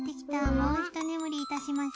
もうひと眠りいたします。